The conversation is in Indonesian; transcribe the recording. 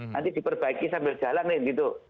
nanti diperbaiki sambil jalanin gitu